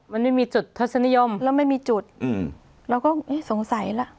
มันไม่มีจุดทศนิยมแล้วไม่มีจุดอืมเราก็เอ๊ะสงสัยล่ะ